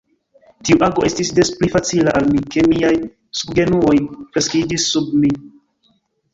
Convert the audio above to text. Tiu ago estis des pli facila al mi, ke miaj subgenuoj fleksiĝis sub mi.